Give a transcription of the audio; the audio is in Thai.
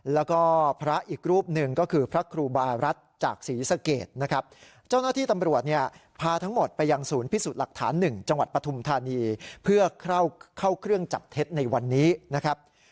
แล้วก็พระอีกรูปหนึ่งก็คือพระครูบารรัตต์จากศรีสเกตนะครับ